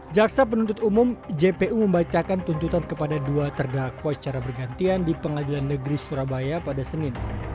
jaksa penuntut umum jpu membacakan tuntutan kepada dua terdakwa secara bergantian di pengadilan negeri surabaya pada senin